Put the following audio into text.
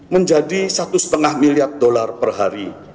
menjadi satu lima miliar dolar per hari